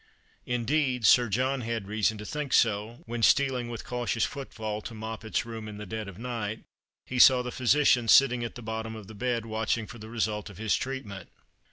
Indeed, Sir John had reason to think so, when, stealing with cautious footfall to Moppet's room in the dead of night, he saw the physician sitting at the bottom of the bed watching for the result of his treatment.